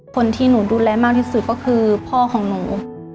คนที่หนูดูแลมากที่สุดก็คือพ่อของหนู